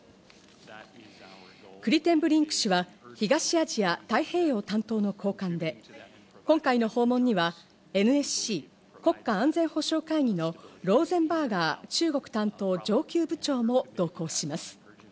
クリテンブリンク氏は東アジア・太平洋担当の高官で、今回の訪問にはＮＳＣ＝国家安全保障会議のローゼンバーガー中国担当上級部長も同行します。